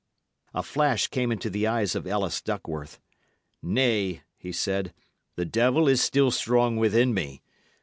A flash came into the eyes of Ellis Duckworth. "Nay," he said, "the devil is still strong within me.